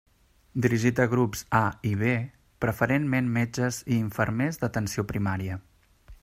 Dirigit a grups A i B; preferentment metges i infermers d'atenció primària.